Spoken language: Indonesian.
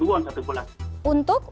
won ya rp delapan puluh satu bulan